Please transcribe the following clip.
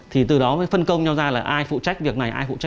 thì từ đó mới phân công nhau ra là ai phụ trách